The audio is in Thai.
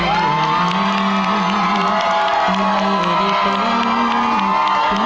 ไม่ได้เป็นฝนใช้ใจกลับให้มา